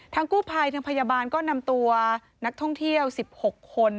กู้ภัยทางพยาบาลก็นำตัวนักท่องเที่ยว๑๖คน